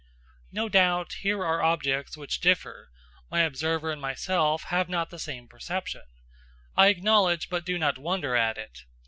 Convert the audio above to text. No doubt, here are objects which differ; my observer and myself have not the same perception. I acknowledge, but do not wonder at it.